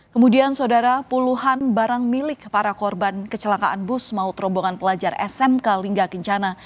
kemudian saudara puluhan barang milik para korban kecelakaan bus maut rombongan pelajar smk lingga kencana